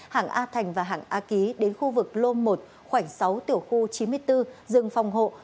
hảng a thành và hảng a ký đến khu vực lôm một khoảng sáu tiểu khu chín mươi bốn rừng phòng hộ